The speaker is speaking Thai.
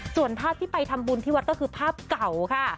ส่วนภาพที่ไปทำบุญที่วัดก็คือภาพเก่าค่ะ